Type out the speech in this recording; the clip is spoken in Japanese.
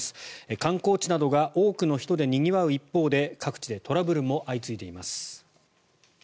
観光地などが多くの人でにぎわう一方で各地でトラブルも相次いでいます。